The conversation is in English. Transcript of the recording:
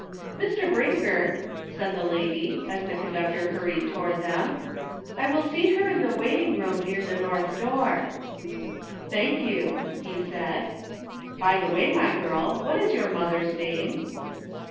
" Mr. Brinker," said the lady, as the conductor hurried toward them, "I will seat her in the waiting room near the north door." "Thank you," he said. "By the way, my girl, what is your mother's name?"